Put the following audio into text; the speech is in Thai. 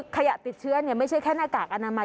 ขยะติดเชื้อไม่ใช่แค่หน้ากากอนามัย